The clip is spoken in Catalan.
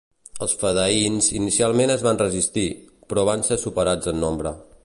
Els fedaïns inicialment es van resistir, però van ser superats en nombre.